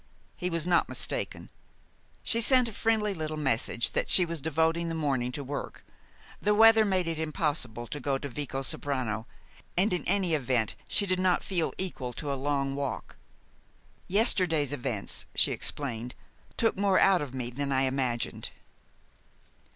He was not mistaken. She sent a friendly little message that she was devoting the morning to work. The weather made it impossible to go to Vicosoprano, and in any event she did not feel equal to a long walk. "Yesterday's events," she explained, "took more out of me than I imagined."